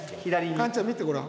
カンちゃん見てごらん。